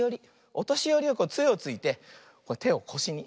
おとしよりはつえをついててをこしに。